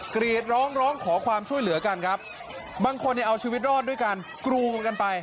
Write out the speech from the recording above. กรีดร้องร้องขอความช่วยเหลือกันครับบางคนเนี่ยเอาชีวิตรอดด้วยกันกรูกันไป